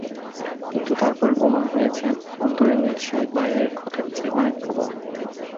কিন্তু তার পরে প্রমাণ হয়েছে, অন্তরের মিল সেই বাইরের ক্ষতের চেয়ে অনেক প্রবল।